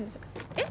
えっ？